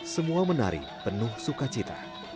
semua menari penuh sukacita